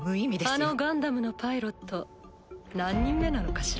あのガンダムのパイロット何人目なのかしら？